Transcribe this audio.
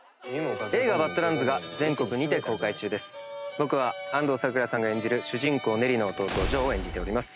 僕は安藤サクラさんが演じる主人公ネリの弟ジョーを演じております。